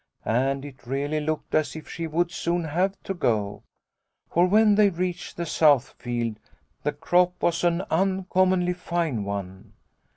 " And it really looked as if she would soon have to go, for when they reached the south field the crop was an uncommonly fine one.